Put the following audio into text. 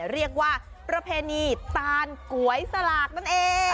เรียกว่าประเพณีตานก๋วยสลากนั่นเอง